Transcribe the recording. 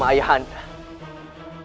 kami diperjalanan bersama ayah anda